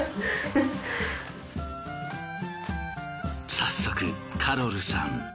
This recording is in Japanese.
早速カロルさん